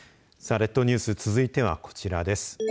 列島ニュース続いてはこちらです。